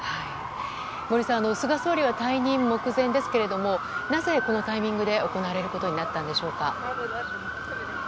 森さん、菅総理は退任目前ですけれどもなぜこのタイミングで行われることになったのでしょうか。